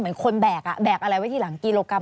เหมือนคนแบกแบกอะไรไว้ทีหลังกิโลกรั